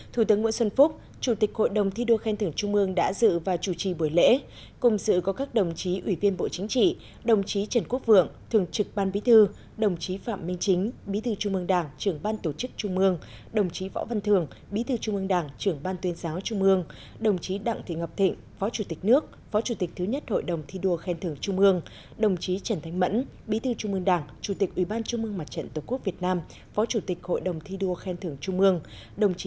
thủ tướng nguyễn xuân phúc chủ tịch hội đồng thi đua khen thưởng trung mương đã dự và chủ trì buổi lễ cùng dự có các đồng chí ủy viên bộ chính trị đồng chí trần quốc vượng thường trực ban bí thư đồng chí phạm minh chính bí thư trung mương đảng trưởng ban tổ chức trung mương đồng chí võ văn thường bí thư trung mương đảng trưởng ban tuyên giáo trung mương đồng chí đặng thị ngọc thịnh phó chủ tịch nước phó chủ tịch thứ nhất hội đồng thi đua khen thưởng trung mương đồng chí trần thanh mẫn bí thư trung mương đảng chủ t